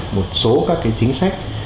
một số các chính sách